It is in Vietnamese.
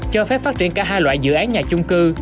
cho phép phát triển cả hai loại dự án nhà chung cư